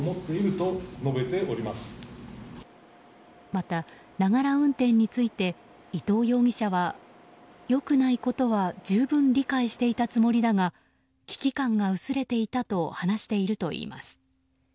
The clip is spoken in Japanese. また、ながら運転について伊藤容疑者は良くないことは十分理解していたつもりだが危機感が薄れていたと話しているといいます。